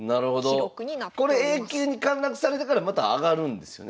Ａ級に陥落されてからまた上がるんですよね？